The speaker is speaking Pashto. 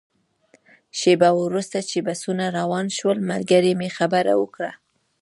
شېبه وروسته چې بسونه روان شول، ملګري مې خبره وکړه.